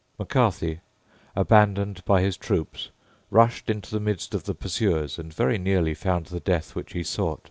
Macarthy, abandoned by his troops, rushed into the midst of the pursuers and very nearly found the death which he sought.